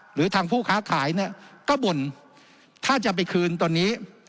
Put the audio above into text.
หรือทางผู้ค้าขายเนี่ยก็บ่นถ้าจะไปคืนตอนนี้